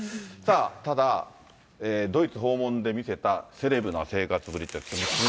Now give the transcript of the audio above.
ただ、ドイツ訪問で見せたセレブな生活ぶりと。